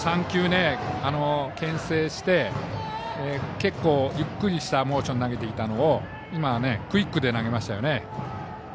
３球けん制して結構、ゆっくりしたモーションで投げていたのを今はクイックで投げましたね。